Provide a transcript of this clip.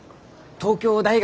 東京大学！？